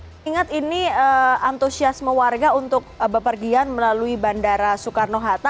mengingat ini antusiasme warga untuk bepergian melalui bandara soekarno hatta